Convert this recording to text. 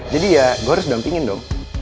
jadi ya gue harus dampingin dong